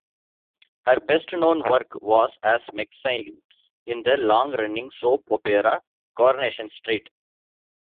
Her best known work was as Maxine in the long-running soap opera "Coronation Street".